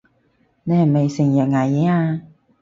你係咪成日捱夜啊？